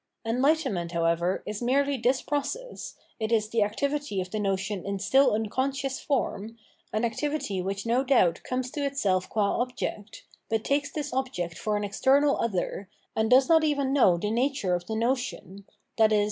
Enhghtenment, however, is merely this process, it is the activity of the notion in sthl unconscious form, an activity which no doubt comes to itself gua object, but takes this object for an external other, and does not even know the nature of the notion, i.e.